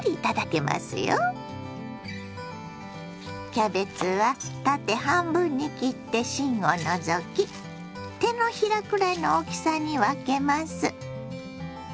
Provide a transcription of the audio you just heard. キャベツは縦半分に切って芯を除き手のひらくらいの大きさに分けます。